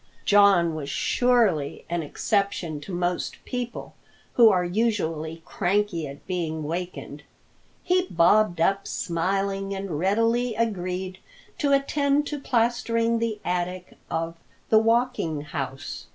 John was surely an exception to most people, who are usually cranky at being wakened. He bobbed up smiling, and readily agreed to attend to plastering the attic of the Walking House.